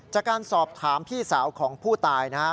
จากการสอบถามพี่สาวของผู้ตายนะฮะ